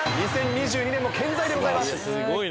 ２０２２年も健在でございます。